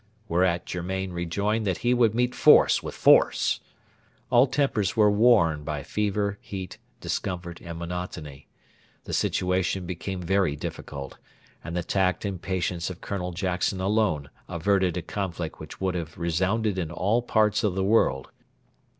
Whereat Germain rejoined that he would meet force with force. All tempers were worn by fever, heat, discomfort, and monotony. The situation became very difficult, and the tact and patience of Colonel Jackson alone averted a conflict which would have resounded in all parts of the world.